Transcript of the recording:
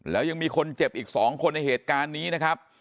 แล้วยังมีคนเจ็บอีก๒คนในเหตุการณ์นี้นะครับ